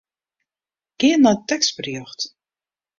Gean nei tekstberjocht.